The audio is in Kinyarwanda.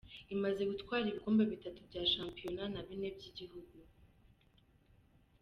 Imaze gutwara ibikombe bitatu bya shampiyona na bine by’igihugu.